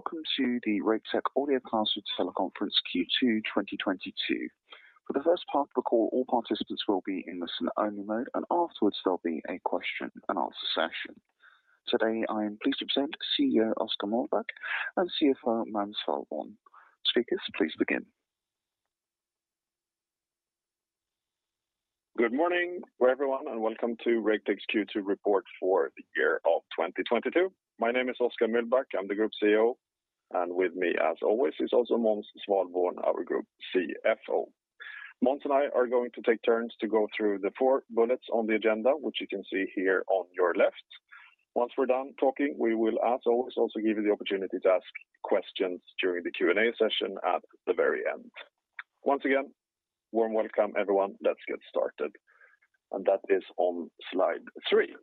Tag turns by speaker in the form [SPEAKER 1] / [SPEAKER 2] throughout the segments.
[SPEAKER 1] Welcome to the Raketech Audio Classroom Teleconference Q2 2022. For the first part of the call, all participants will be in listen-only mode, and afterwards there'll be a question and answer session. Today, I am pleased to present CEO Oskar Mühlbach and CFO Måns Svalborn. Speakers, please begin.
[SPEAKER 2] Good morning, everyone, and welcome to Raketech's Q2 report for the year of 2022. My name is Oskar Mühlbach. I'm the Group CEO, and with me as always is also Måns Svalborn, our Group CFO. Måns and I are going to take turns to go through the four bullets on the agenda, which you can see here on your left. Once we're done talking, we will as always also give you the opportunity to ask questions during the Q&A session at the very end. Once again, warm welcome, everyone. Let's get started. That is on slide three.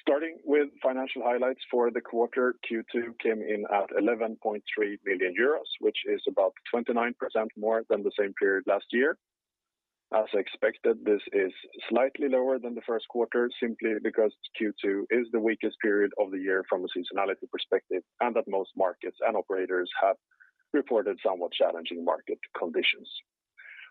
[SPEAKER 2] Starting with financial highlights for the quarter, Q2 came in at 11.3 million euros, which is about 29% more than the same period last year. As expected, this is slightly lower than the first quarter, simply because Q2 is the weakest period of the year from a seasonality perspective and that most markets and operators have reported somewhat challenging market conditions.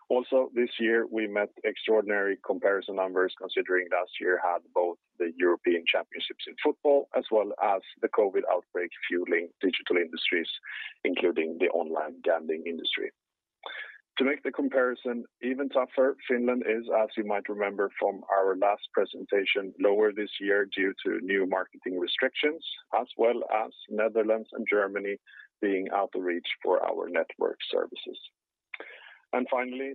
[SPEAKER 2] Also, this year we met extraordinary comparison numbers considering last year had both the European Championships in football as well as the COVID outbreak fueling digital industries, including the online gambling industry. To make the comparison even tougher, Finland is, as you might remember from our last presentation, lower this year due to new marketing restrictions, as well as Netherlands and Germany being out of reach for our network services.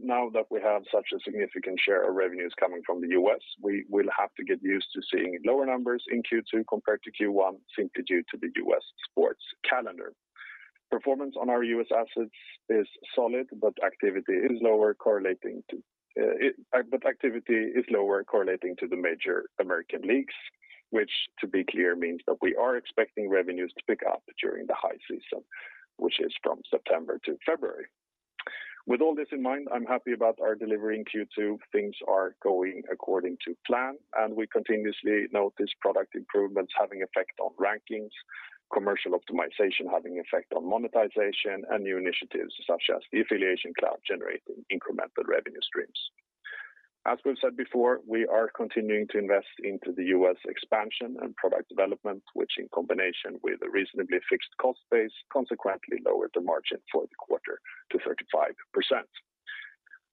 [SPEAKER 2] Now that we have such a significant share of revenues coming from the U.S., we will have to get used to seeing lower numbers in Q2 compared to Q1 simply due to the U.S. sports calendar. Performance on our U.S. assets is solid, but activity is lower correlating to the major American leagues, which, to be clear, means that we are expecting revenues to pick up during the high season, which is from September to February. With all this in mind, I'm happy about our delivery in Q2. Things are going according to plan, and we continuously note this product improvements having effect on rankings, commercial optimization having effect on monetization, and new initiatives such as the AffiliationCloud generating incremental revenue streams. As we've said before, we are continuing to invest into the U.S. expansion and product development, which in combination with a reasonably fixed cost base consequently lowered the margin for the quarter to 35%.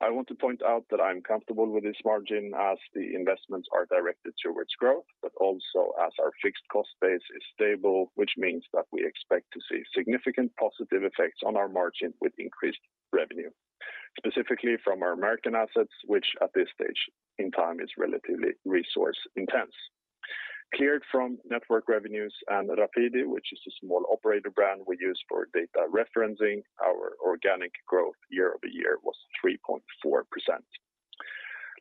[SPEAKER 2] I want to point out that I'm comfortable with this margin as the investments are directed towards growth, but also as our fixed cost base is stable, which means that we expect to see significant positive effects on our margin with increased revenue, specifically from our American assets, which at this stage in time is relatively resource intense. Cleared from network revenues and Rapidi, which is a small operator brand we use for data referencing, our organic growth year-over-year was 3.4%.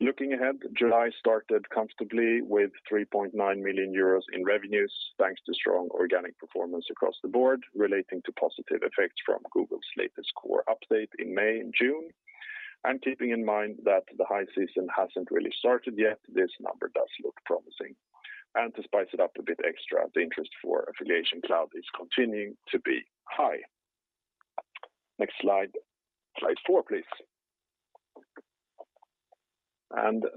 [SPEAKER 2] Looking ahead, July started comfortably with 3.9 million euros in revenues, thanks to strong organic performance across the board relating to positive effects from Google's latest Core Update in May and June. Keeping in mind that the high season hasn't really started yet, this number does look promising. To spice it up a bit extra, the interest for AffiliationCloud is continuing to be high. Next slide. Slide four, please.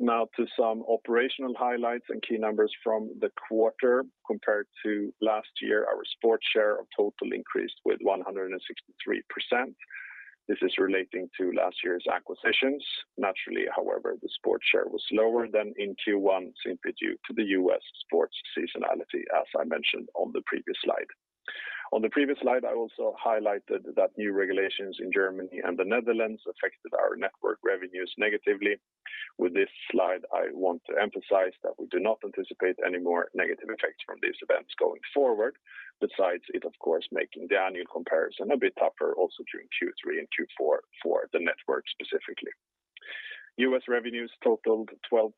[SPEAKER 2] Now to some operational highlights and key numbers from the quarter compared to last year, our sports share of total increased with 163%. This is relating to last year's acquisitions. Naturally, however, the sports share was lower than in Q1 simply due to the U.S. sports seasonality, as I mentioned on the previous slide. On the previous slide, I also highlighted that new regulations in Germany and the Netherlands affected our network revenues negatively. With this slide, I want to emphasize that we do not anticipate any more negative effects from these events going forward. Besides it, of course, making the annual comparison a bit tougher also during Q3 and Q4 for the network specifically. U.S. revenues totaled 12%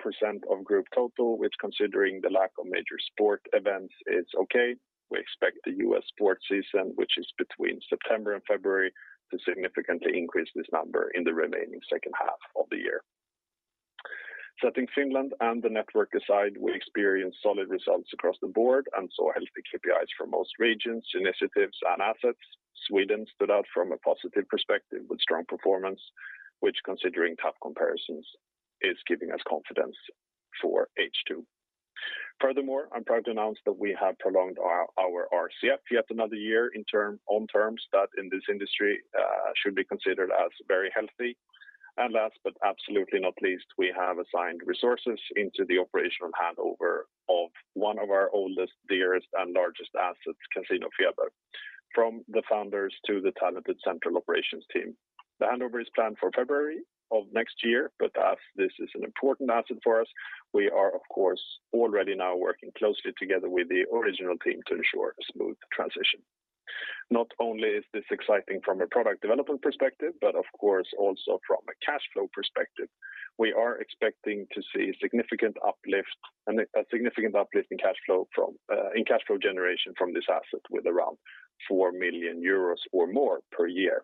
[SPEAKER 2] of group total, which considering the lack of major sport events is okay. We expect the U.S. sports season, which is between September and February, to significantly increase this number in the remaining H2 Setting Finland and the network aside, we experienced solid results across the board and saw healthy KPIs for most regions, initiatives and assets. Sweden stood out from a positive perspective with strong performance, which considering tough comparisons is giving us confidence for H2. Furthermore, I'm proud to announce that we have prolonged our RCF yet another year on term, on terms that in this industry should be considered as very healthy. Last but absolutely not least, we have assigned resources into the operational handover of one of our oldest, dearest and largest assets, CasinoFeber, from the founders to the talented central operations team. The handover is planned for February of next year, but as this is an important asset for us, we are of course already now working closely together with the original team to ensure a smooth transition. Not only is this exciting from a product development perspective, but of course also from a cash flow perspective. We are expecting to see significant uplift and a significant uplift in cash flow generation from this asset with around 4 million euros or more per year.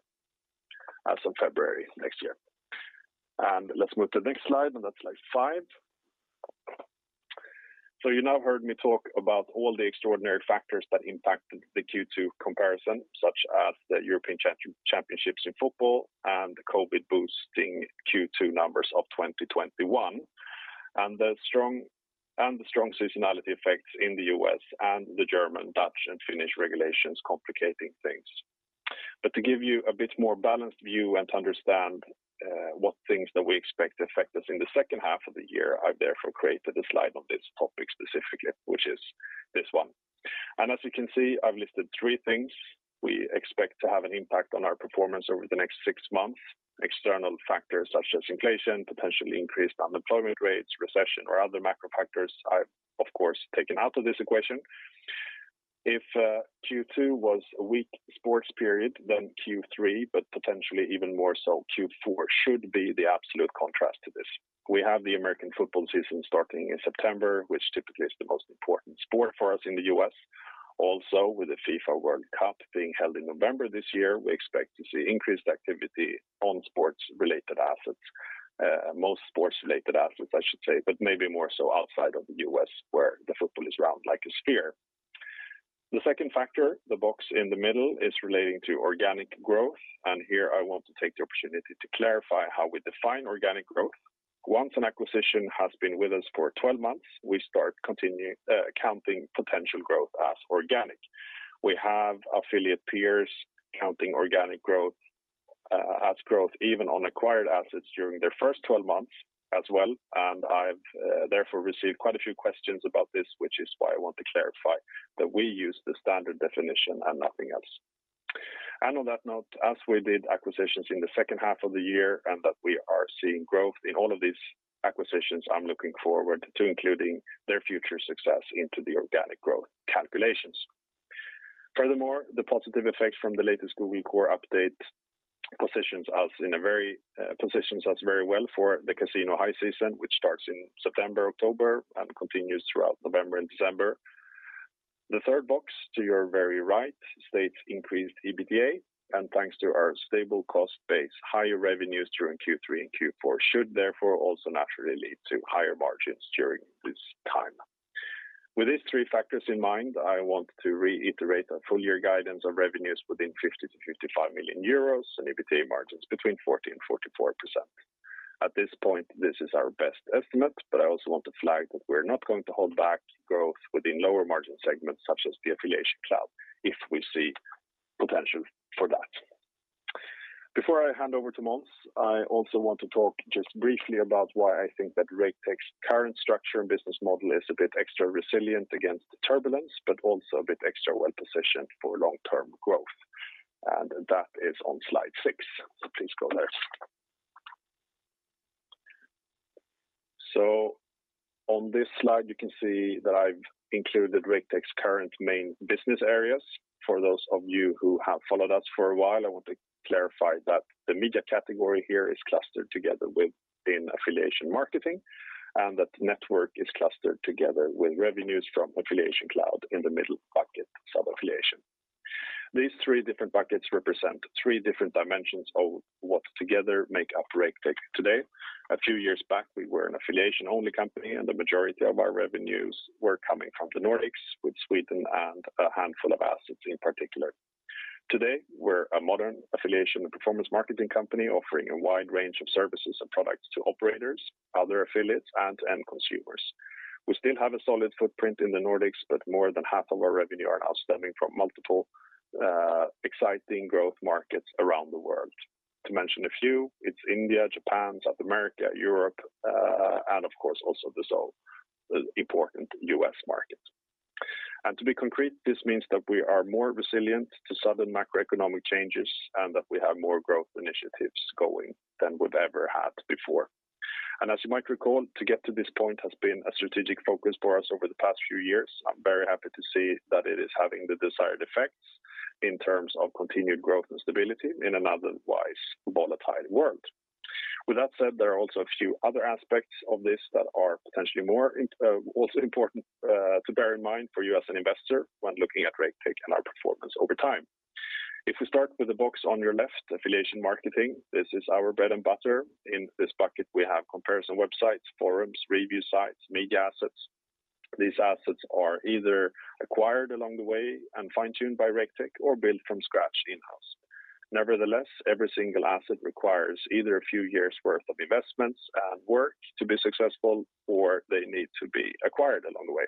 [SPEAKER 2] As of February next year. Let's move to the next slide, and that's slide five. You now heard me talk about all the extraordinary factors that impacted the Q2 comparison, such as the European Championships in football and the COVID boosting Q2 numbers of 2021, and the strong seasonality effects in the U.S. and the German, Dutch, and Finnish regulations complicating things. To give you a bit more balanced view and to understand what things that we expect to affect us in the H2, I've therefore created a slide on this topic specifically, which is this one. As you can see, I've listed three things we expect to have an impact on our performance over the next six months. External factors such as inflation, potentially increased unemployment rates, recession, or other macro factors, I've of course taken out of this equation. If Q2 was a weak sports period, then Q3, but potentially even more so Q4, should be the absolute contrast to this. We have the American football season starting in September, which typically is the most important sport for us in the U.S. Also, with the FIFA World Cup being held in November this year, we expect to see increased activity on sports-related assets. Most sports-related assets, I should say, but maybe more so outside of the U.S., where the football is round like a sphere. The second factor, the box in the middle, is relating to organic growth. Here I want to take the opportunity to clarify how we define organic growth. Once an acquisition has been with us for 12 months, we start counting potential growth as organic. We have affiliate peers counting organic growth as growth even on acquired assets during their first 12 months as well, and I've therefore received quite a few questions about this, which is why I want to clarify that we use the standard definition and nothing else. On that note, as we did acquisitions in the H2 and that we are seeing growth in all of these acquisitions, I'm looking forward to including their future success into the organic growth calculations. Furthermore, the positive effect from the latest Google Core Update positions us very well for the casino high season, which starts in September, October, and continues throughout November and December. The third box to your very right states increased EBITDA, and thanks to our stable cost base, higher revenues during Q3 and Q4 should therefore also naturally lead to higher margins during this time. With these three factors in mind, I want to reiterate our full year guidance of revenues within 50 million-55 million euros and EBITDA margins between 40% and 44%. At this point, this is our best estimate, but I also want to flag that we're not going to hold back growth within lower margin segments such as the AffiliationCloud if we see potential for that. Before I hand over to Måns, I also want to talk just briefly about why I think that Raketech's current structure and business model is a bit extra resilient against turbulence, but also a bit extra well-positioned for long-term growth. That is on slide 6, so please go there. On this slide, you can see that I've included Raketech's current main business areas. For those of you who have followed us for a while, I want to clarify that the media category here is clustered together within Affiliation Marketing, and that network is clustered together with revenues from AffiliationCloud in the middle bucket, Sub-Affiliation. These 3 different buckets represent 3 different dimensions of what together make up Raketech today. A few years back, we were an affiliation-only company, and the majority of our revenues were coming from the Nordics, with Sweden and a handful of assets in particular. Today, we're a modern affiliation and performance marketing company offering a wide range of services and products to operators, other affiliates, and end consumers. We still have a solid footprint in the Nordics, but more than half of our revenue are now stemming from multiple, exciting growth markets around the world. To mention a few, it's India, Japan, South America, Europe, and of course, also the so important US market. To be concrete, this means that we are more resilient to sudden macroeconomic changes and that we have more growth initiatives going than we've ever had before. As you might recall, to get to this point has been a strategic focus for us over the past few years. I'm very happy to see that it is having the desired effects in terms of continued growth and stability in an otherwise volatile world. With that said, there are also a few other aspects of this that are potentially more, also important, to bear in mind for you as an investor when looking at Raketech and our performance over time. If we start with the box on your left, Affiliation Marketing, this is our bread and butter. In this bucket, we have comparison websites, forums, review sites, media assets. These assets are either acquired along the way and fine-tuned by Raketech or built from scratch in-house. Nevertheless, every single asset requires either a few years' worth of investments and work to be successful, or they need to be acquired along the way.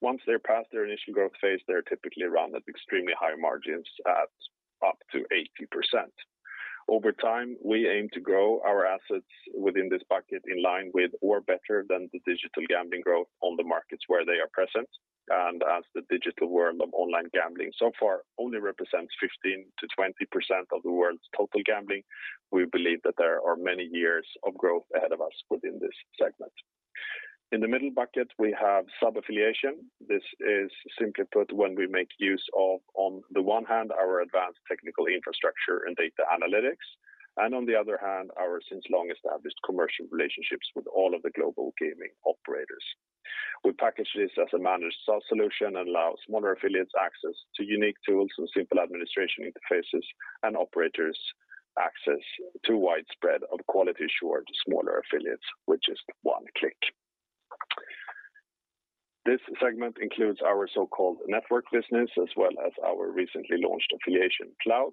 [SPEAKER 2] Once they're past their initial growth phase, they're typically run at extremely high margins at up to 80%. Over time, we aim to grow our assets within this bucket in line with or better than the digital gambling growth on the markets where they are present. As the digital world of online gambling so far only represents 15%-20% of the world's total gambling, we believe that there are many years of growth ahead of us within this segment. In the middle bucket, we have Sub-Affiliation. This is simply put when we make use of, on the one hand, our advanced technical infrastructure and data analytics, and on the other hand, our long-established commercial relationships with all of the global gaming operators. We package this as a managed solution and allow smaller affiliates access to unique tools and simple administration interfaces and operators access to widespread quality assured smaller affiliates, which is one click. This segment includes our so-called network business, as well as our recently launched AffiliationCloud,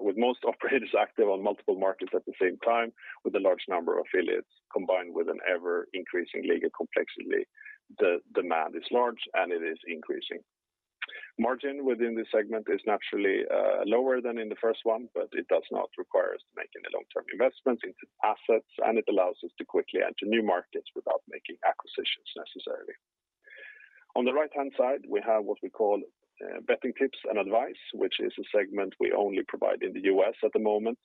[SPEAKER 2] with most operators active on multiple markets at the same time with a large number of affiliates combined with an ever-increasing legal complexity, the demand is large, and it is increasing. Margin within this segment is naturally lower than in the first one, but it does not require us to make any long-term investments into assets, and it allows us to quickly enter new markets without making acquisitions necessarily. On the right-hand side, we have what we call betting tips and advice, which is a segment we only provide in the U.S. at the moment.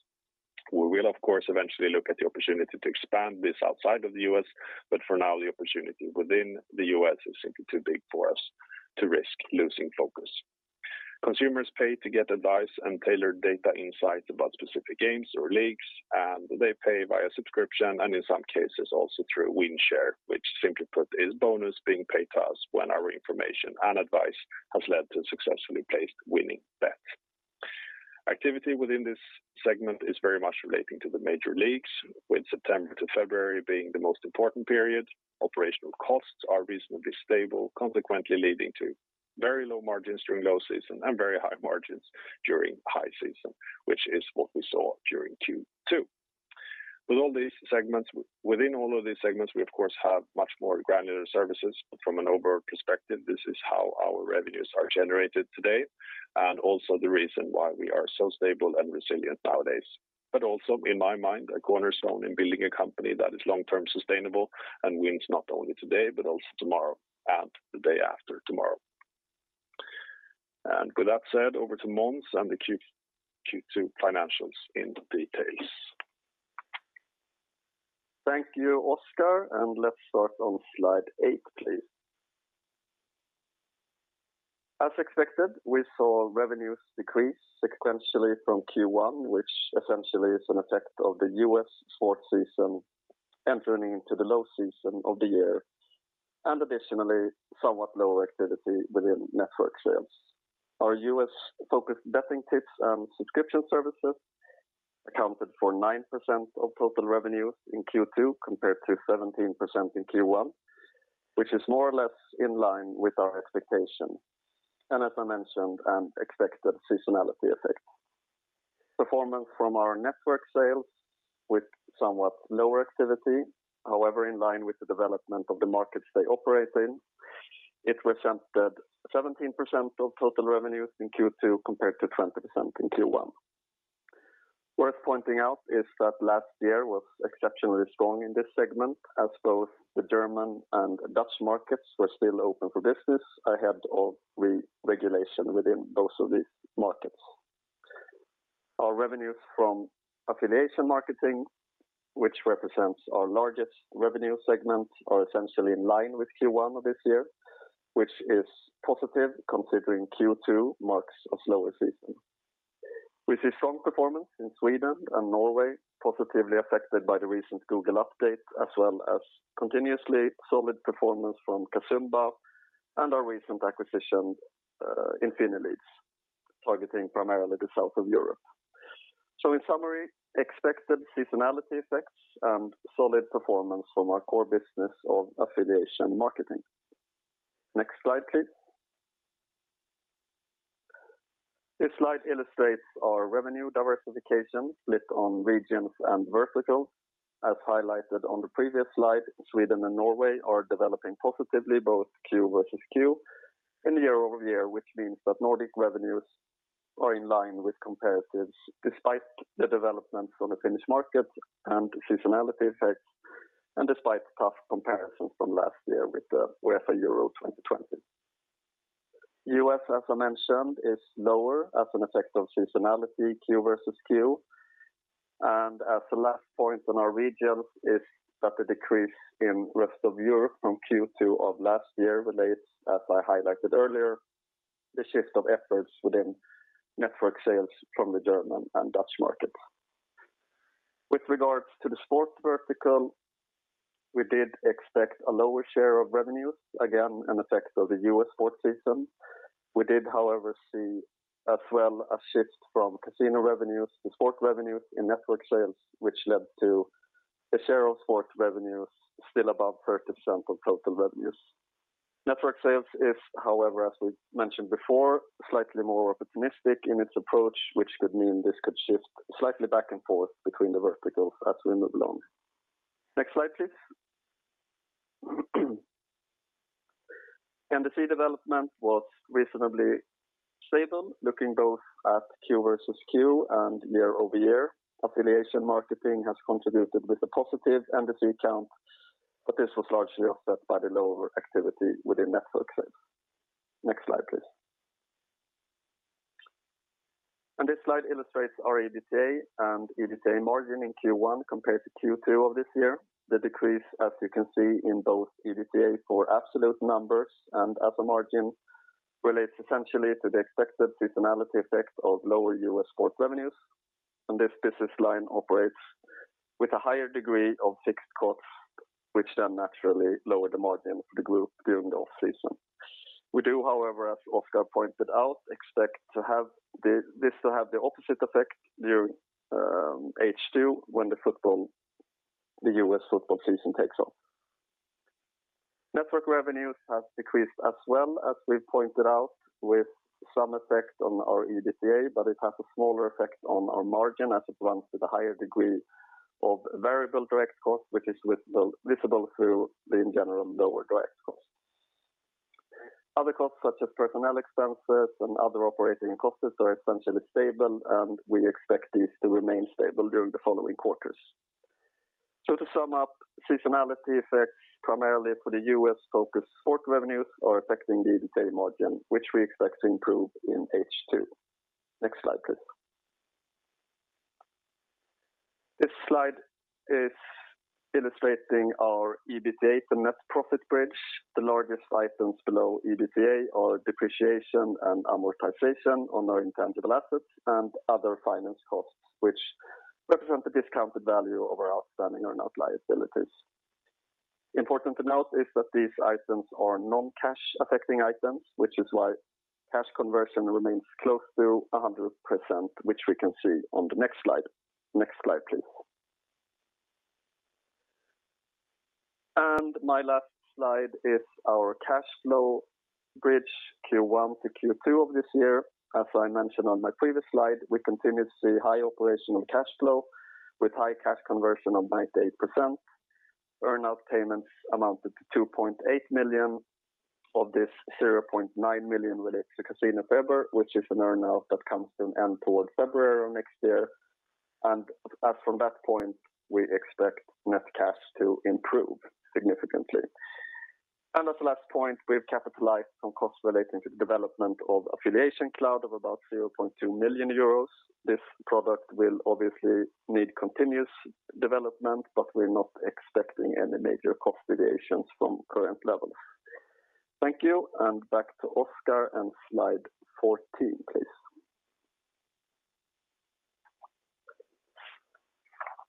[SPEAKER 2] We will, of course, eventually look at the opportunity to expand this outside of the US, but for now, the opportunity within the US is simply too big for us to risk losing focus. Consumers pay to get advice and tailored data insights about specific games or leagues, and they pay via subscription and in some cases also through win share, which simply put is bonus being paid to us when our information and advice has led to successfully placed winning bets. Activity within this segment is very much relating to the major leagues, with September to February being the most important period. Operational costs are reasonably stable, consequently leading to very low margins during low season and very high margins during high season, which is what we saw during Q2. Within all of these segments, we of course have much more granular services, but from an overall perspective, this is how our revenues are generated today and also the reason why we are so stable and resilient nowadays. Also in my mind, a cornerstone in building a company that is long-term sustainable and wins not only today, but also tomorrow and the day after tomorrow. With that said, over to Måns and the Q2 financials in detail.
[SPEAKER 3] Thank you, Oskar, and let's start on slide 8, please. As expected, we saw revenues decrease sequentially from Q1, which essentially is an effect of the US sports season entering into the low season of the year, and additionally, somewhat lower activity within network sales. Our US-focused betting tips and subscription services accounted for 9% of total revenues in Q2 compared to 17% in Q1, which is more or less in line with our expectation and as I mentioned, an expected seasonality effect. Performance from our network sales with somewhat lower activity, however in line with the development of the markets they operate in, it represented 17% of total revenues in Q2 compared to 20% in Q1. Worth pointing out is that last year was exceptionally strong in this segment as both the German and Dutch markets were still open for business ahead of regulation within both of these markets. Our revenues from affiliation marketing, which represents our largest revenue segment, are essentially in line with Q1 of this year, which is positive considering Q2 marks a slower season. We see strong performance in Sweden and Norway positively affected by the recent Google update, as well as continuously solid performance from Casumo and our recent acquisition, Infinileads, targeting primarily the south of Europe. In summary, expected seasonality effects and solid performance from our core business of affiliation marketing. Next slide, please. This slide illustrates our revenue diversification split on regions and verticals. As highlighted on the previous slide, Sweden and Norway are developing positively both Q versus Q and year-over-year, which means that Nordic revenues are in line with comparatives despite the developments on the Finnish market and seasonality effects, and despite tough comparisons from last year with the UEFA Euro 2020. US, as I mentioned, is lower as an effect of seasonality Q versus Q. As the last point on our regions is that the decrease in rest of Europe from Q2 of last year relates, as I highlighted earlier, the shift of efforts within network sales from the German and Dutch markets. With regards to the sports vertical, we did expect a lower share of revenues, again an effect of the US sports season. We did, however, see as well a shift from casino revenues to sports revenues in network sales, which led to a share of sports revenues still above 30% of total revenues. Network sales is, however, as we mentioned before, slightly more opportunistic in its approach, which could mean this could shift slightly back and forth between the verticals as we move along. Next slide, please. MDC development was reasonably stable, looking both at Q versus Q and year-over-year. Affiliation marketing has contributed with a positive MDC count, but this was largely offset by the lower activity within network sales. Next slide, please. This slide illustrates our EBITDA and EBITDA margin in Q1 compared to Q2 of this year. The decrease, as you can see in both EBITDA for absolute numbers and as a margin, relates essentially to the expected seasonality effect of lower US sports revenues, and this business line operates with a higher degree of fixed costs, which then naturally lower the margin for the group during the off-season. We do, however, as Oskar pointed out, expect to have this to have the opposite effect during H2 when the US football season takes off. Network revenues have decreased as well as we've pointed out with some effect on our EBITDA, but it has a smaller effect on our margin as it runs with a higher degree of variable direct costs, which is visible through the general lower direct costs. Other costs, such as personnel expenses and other operating costs, are essentially stable, and we expect these to remain stable during the following quarters. To sum up, seasonality effects primarily for the US-focused sports revenues are affecting the EBITDA margin, which we expect to improve in H2. Next slide, please. This slide is illustrating our EBITDA to net profit bridge. The largest items below EBITDA are depreciation and amortization on our intangible assets and other finance costs, which represent the discounted value of our outstanding earnout liabilities. Important to note is that these items are non-cash affecting items, which is why cash conversion remains close to 100%, which we can see on the next slide. Next slide, please. My last slide is our cash flow bridge Q1 to Q2 of this year. As I mentioned on my previous slide, we continue to see high operational cash flow with high cash conversion of 98%. Earnout payments amounted to 2.8 million. Of this, 0.9 million relates to CasinoFeber, which is an earnout that comes to an end towards February of next year. From that point, we expect net cash to improve significantly. As the last point, we've capitalized some costs relating to the development of AffiliationCloud of about 0.2 million euros. This product will obviously need continuous development, but we're not expecting any major cost variations from current levels. Thank you, and back to Oskar on slide 14, please.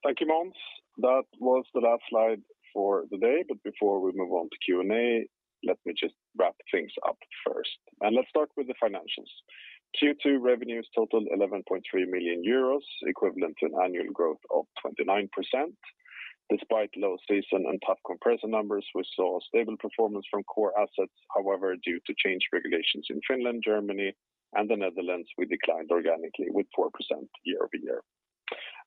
[SPEAKER 2] Thank you, Måns. That was the last slide for the day. Before we move on to Q&A, let me just wrap things up first. Let's start with the financials. Q2 revenues totaled 11.3 million euros, equivalent to an annual growth of 29%. Despite low season and tough comparison numbers, we saw stable performance from core assets. However, due to changed regulations in Finland, Germany, and the Netherlands, we declined organically with 4% year-over-year.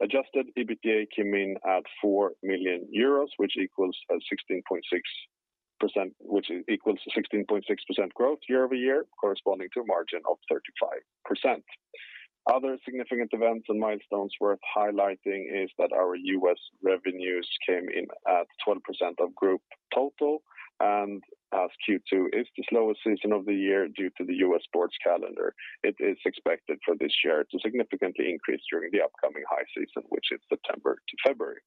[SPEAKER 2] Adjusted EBITDA came in at 4 million euros, which equals a 16.6% growth year-over-year, corresponding to a margin of 35%. Other significant events and milestones worth highlighting is that our US revenues came in at 12% of group total. As Q2 is the slowest season of the year due to the U.S. sports calendar, it is expected for this year to significantly increase during the upcoming high season, which is September to February.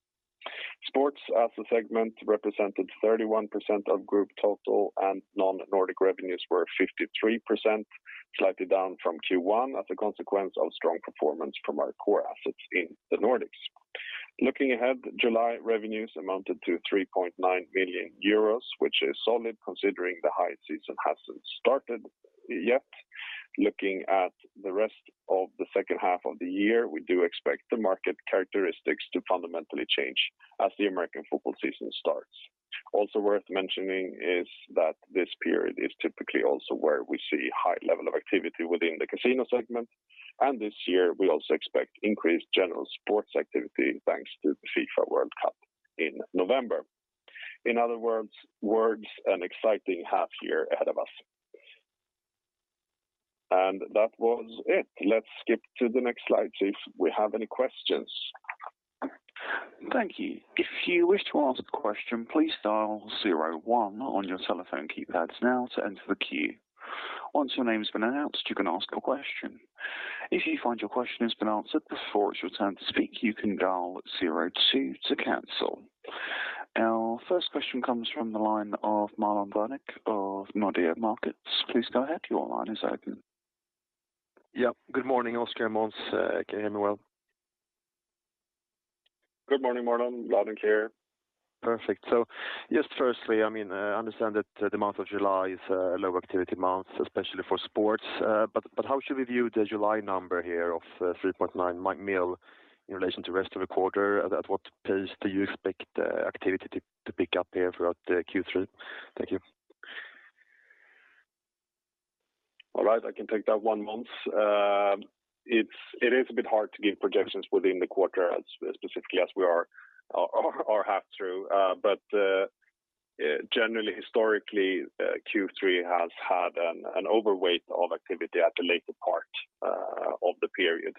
[SPEAKER 2] Sports as a segment represented 31% of group total, and non-Nordic revenues were 53%, slightly down from Q1 as a consequence of strong performance from our core assets in the Nordics. Looking ahead, July revenues amounted to 3.9 million euros, which is solid considering the high season hasn't started yet. Looking at the rest of the H2 we do expect the market characteristics to fundamentally change as the American football season starts. Also worth mentioning is that this period is typically also where we see high level of activity within the casino segment. This year, we also expect increased general sports activity, thanks to the FIFA World Cup in November. In other words, an exciting half year ahead of us. That was it. Let's skip to the next slide to see if we have any questions.
[SPEAKER 1] Thank you. If you wish to ask a question, please dial zero one on your telephone keypads now to enter the queue. Once your name has been announced, you can ask a question. If you find your question has been answered before it's your turn to speak, you can dial zero two to cancel. Our first question comes from the line of Marlon Värnik of Nordea Markets. Please go ahead. Your line is open.
[SPEAKER 4] Yeah. Good morning, Oskar and Måns. Can you hear me well?
[SPEAKER 2] Good morning, Marlon. Loud and clear.
[SPEAKER 4] Perfect. Just firstly, I mean, I understand that the month of July is a low activity month, especially for sports. But how should we view the July number here of 3.9 million in relation to rest of the quarter? At what pace do you expect activity to pick up here throughout the Q3? Thank you.
[SPEAKER 2] All right. I can take that one, Måns. It is a bit hard to give projections within the quarter as specifically as we are half through. Generally, historically, Q3 has had an overweight of activity at the later part of the period,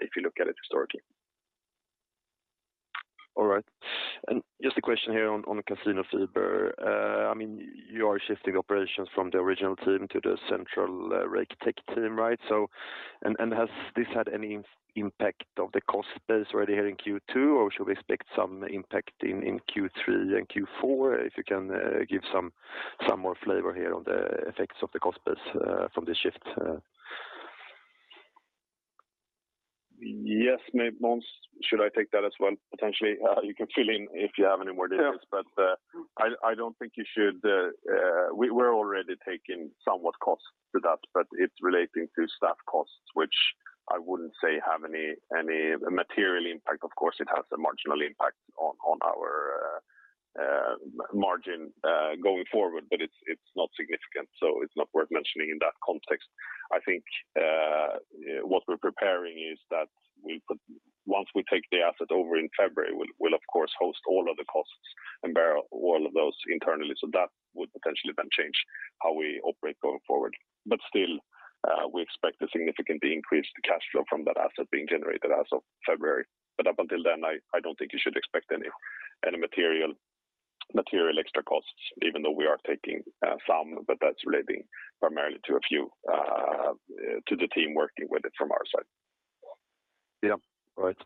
[SPEAKER 2] if you look at it historically.
[SPEAKER 3] All right. Just a question here on CasinoFeber. I mean, you are shifting operations from the original team to the central tech team, right? Has this had any impact on the cost base already here in Q2, or should we expect some impact in Q3 and Q4? If you can give some more flavor here on the effects of the cost base from this shift.
[SPEAKER 4] Yes, Måns, should I take that as well? Potentially, you can fill in if you have any more details.
[SPEAKER 3] Yeah.
[SPEAKER 2] I don't think you should. We're already taking somewhat costs to that, but it's relating to staff costs, which I wouldn't say have any material impact. Of course, it has a marginal impact on our margin going forward, but it's not significant, so it's not worth mentioning in that context. I think what we're preparing is that once we take the asset over in February, we'll of course host all of the costs and bear all of those internally. That would potentially then change how we operate going forward. Still, we expect a significantly increased cash flow from that asset being generated as of February. Up until then, I don't think you should expect any material extra costs, even though we are taking some, but that's relating primarily to a few to the team working with it from our side.
[SPEAKER 3] Yeah. Right.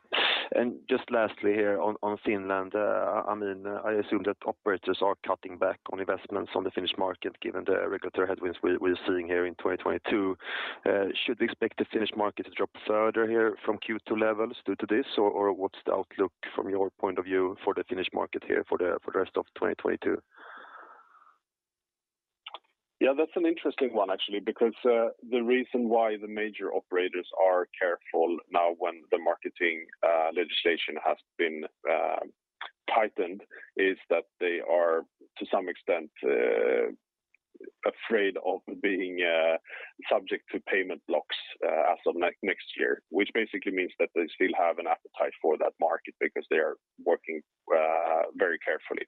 [SPEAKER 3] Just lastly here on Finland, I mean, I assume that operators are cutting back on investments on the Finnish market, given the regulatory headwinds we're seeing here in 2022. Should we expect the Finnish market to drop further here from Q2 levels due to this? Or what's the outlook from your point of view for the Finnish market here for the rest of 2022?
[SPEAKER 4] Yeah, that's an interesting one actually, because the reason why the major operators are careful now when the marketing legislation has been tightened is that they are to some extent afraid of being subject to payment blocks as of next year, which basically means that they still have an appetite for that market because they are working very carefully.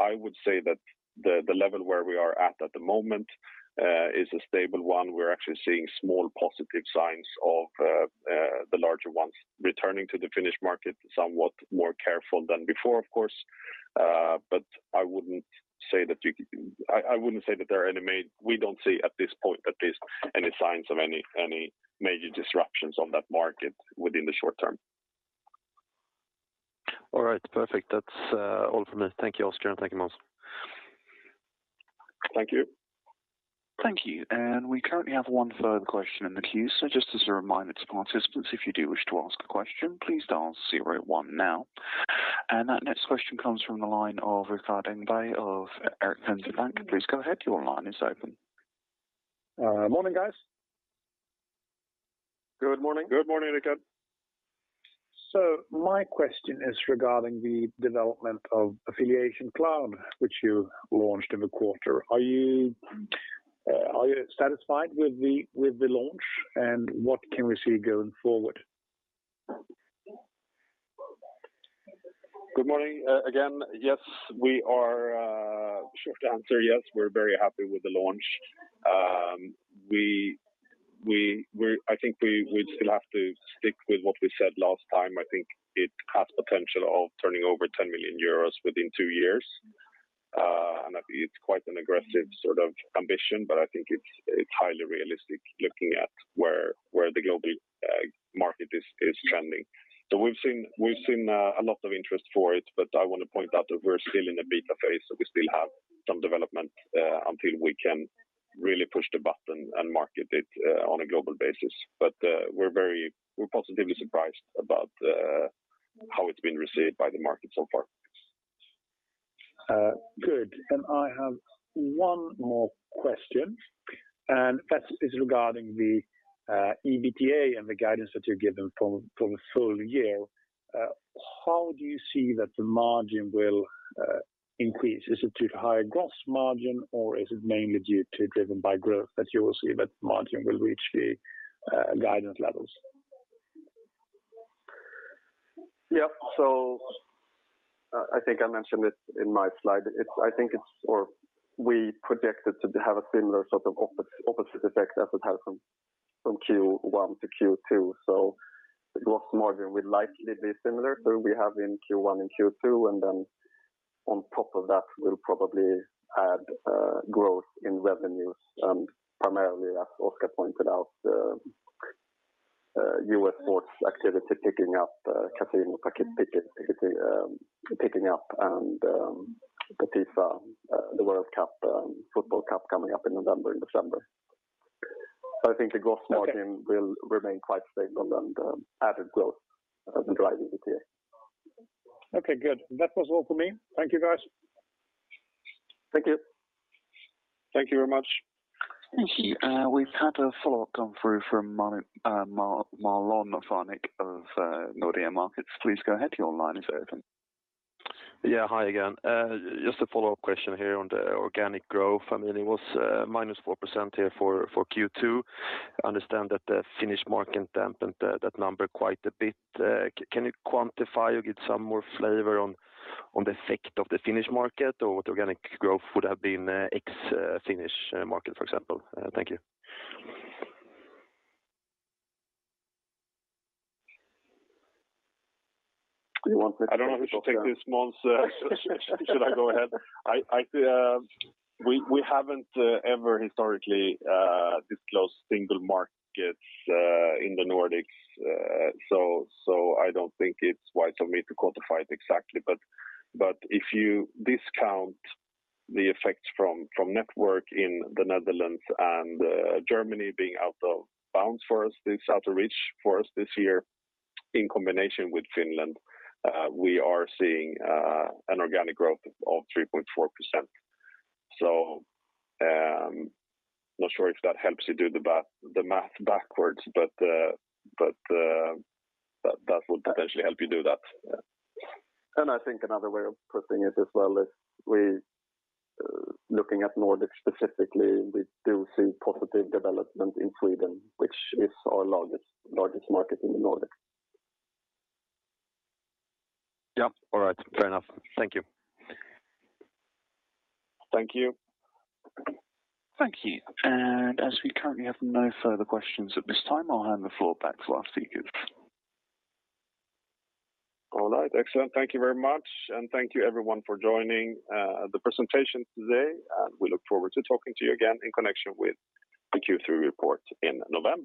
[SPEAKER 4] I would say that the level where we are at the moment is a stable one. We're actually seeing small positive signs of the larger ones returning to the Finnish market, somewhat more careful than before, of course. We don't see at this point, at least, any signs of any major disruptions on that market within the short term. All right. Perfect. That's all from me. Thank you, Oskar, and thank you, Måns.
[SPEAKER 2] Thank you.
[SPEAKER 1] Thank you. We currently have one further question in the queue. Just as a reminder to participants, if you do wish to ask a question, please dial zero one now. That next question comes from the line of Rickard Engblom of Erik Penser Bank. Please go ahead. Your line is open.
[SPEAKER 5] Morning, guys.
[SPEAKER 2] Good morning.
[SPEAKER 3] Good morning, Rickard.
[SPEAKER 5] My question is regarding the development of AffiliationCloud, which you launched in the quarter. Are you satisfied with the launch? What can we see going forward?
[SPEAKER 2] Good morning, again. Yes, we are. Short answer, yes, we're very happy with the launch. We're. I think we still have to stick with what we said last time. I think it has potential of turning over 10 million euros within two years. I think it's quite an aggressive sort of ambition, but I think it's highly realistic looking at where the global market is trending. We've seen a lot of interest for it, but I wanna point out that we're still in a beta phase, so we still have some development until we can really push the button and market it on a global basis. We're positively surprised about how it's been received by the market so far.
[SPEAKER 5] Good. I have one more question, and that's regarding the EBITDA and the guidance that you're giving for the full year. How do you see that the margin will increase? Is it due to higher gross margin, or is it mainly driven by growth that you will see that margin will reach the guidance levels?
[SPEAKER 3] Yeah. I think I mentioned it in my slide. We projected to have a similar sort of opposite effect as it had from Q1-Q2. The gross margin will likely be similar to we have in Q1 and Q2, and then on top of that, we'll probably add growth in revenues primarily, as Oskar pointed out, U.S. sports activity picking up, Casino Marketing picking up and the FIFA World Cup coming up in November and December. I think the gross margin.
[SPEAKER 5] Okay.
[SPEAKER 3] will remain quite stable and added growth as in driving the TA.
[SPEAKER 5] Okay, good. That was all for me. Thank you, guys.
[SPEAKER 2] Thank you.
[SPEAKER 3] Thank you very much.
[SPEAKER 1] Thank you. We've had a follow-up come through from Marlon Värnik of Nordea Markets. Please go ahead. Your line is open.
[SPEAKER 4] Yeah, hi again. Just a follow-up question here on the organic growth. I mean, it was -4% here for Q2. I understand that the Finnish market dampened that number quite a bit. Can you quantify or give some more flavor on the effect of the Finnish market or what organic growth would have been ex Finnish market, for example? Thank you.
[SPEAKER 2] You want this.
[SPEAKER 3] I don't know who should take this, Måns. Should I go ahead? We haven't ever historically disclosed single markets in the Nordics. I don't think it's wise for me to quantify it exactly. If you discount the effects from network in the Netherlands and Germany being out of reach for us this year, in combination with Finland, we are seeing an organic growth of 3.4%. Not sure if that helps you do the math backwards, but that would potentially help you do that. I think another way of putting it as well is looking at Nordic specifically, we do see positive development in Sweden, which is our largest market in the Nordic.
[SPEAKER 4] Yeah. All right. Fair enough. Thank you.
[SPEAKER 2] Thank you.
[SPEAKER 1] Thank you. As we currently have no further questions at this time, I'll hand the floor back to our speakers.
[SPEAKER 2] All right. Excellent. Thank you very much. Thank you everyone for joining the presentation today, and we look forward to talking to you again in connection with the Q3 report in November.